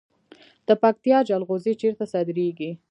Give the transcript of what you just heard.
د پکتیا جلغوزي چیرته صادریږي؟